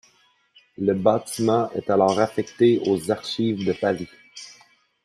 Le bâtiment est alors affecté aux Archives de Paris.